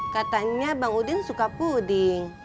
katanya bang udin suka puding